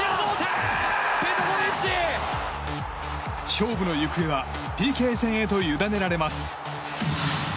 勝負の行方はＰＫ戦へと委ねられます。